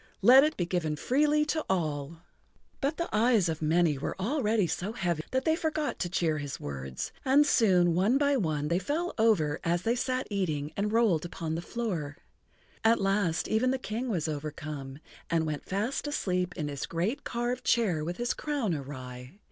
Let it be given freely to all." But the eyes of many were already so heavy that they forgot to cheer his words, and soon one by one they fell over as they sat eating and rolled upon the floor. At last even the King was overcome, and went fast asleep in his great carved chair with his crown awry.